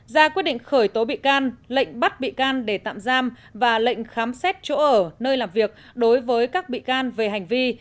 ra quyết định khởi tố bị can lệnh bắt bị can để tạm giam và lệnh khám xét chỗ ở nơi làm việc đối với các bị can về hành vi